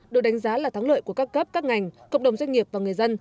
được đánh giá là thắng lợi của các cấp các ngành cộng đồng doanh nghiệp và người dân